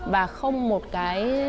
và không một cái